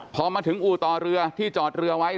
พอมาถึงอู่ต่อเรือที่จอดเรือไว้